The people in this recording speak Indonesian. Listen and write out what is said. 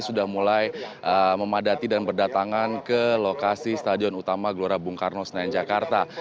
sudah mulai memadati dan berdatangan ke lokasi stadion utama gelora bung karno senayan jakarta